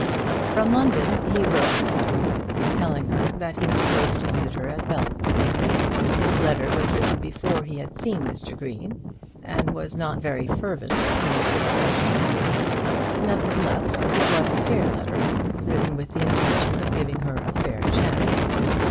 From London he wrote to Clara, telling her that he proposed to visit her at Belton. His letter was written before he had seen Mr. Green, and was not very fervent in its expressions; but, nevertheless, it was a fair letter, written with the intention of giving her a fair chance.